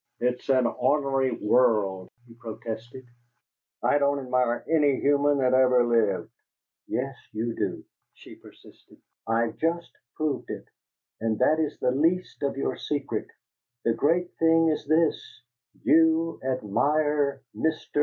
It's an ornery world," he protested. "I don't admire any human that ever lived!" "Yes, you do," she persisted. "I've just proved it! But that is the least of your secret; the great thing is this: YOU ADMIRE MR.